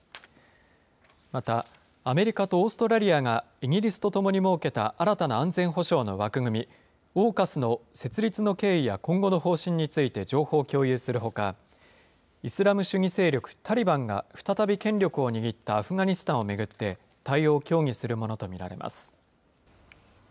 また、アメリカとオーストラリアがイギリスとともに設けた新たな安全保障の枠組み、ＡＵＫＵＳの設立の経緯や今後の方針について情報を共有するほか、イスラム主義勢力タリバンが再び権力を握ったアフガニスタンを巡って、対応を協議するものと見られます。